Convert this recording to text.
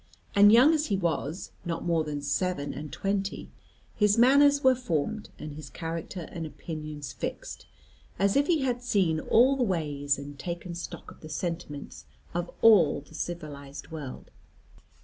And young as he was not more than seven and twenty his manners were formed, and his character and opinions fixed, as if he had seen all the ways, and taken stock of the sentiments of all the civilised world.